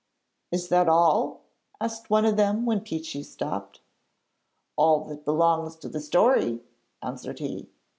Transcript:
'Is that all?' asked one of them when Peechy stopped. 'All that belongs to the story,' answered he.